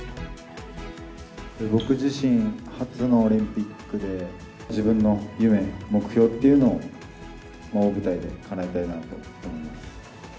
僕自身初のオリンピックで、自分の夢、目標っていうのを、大舞台でかなえたいなと思います。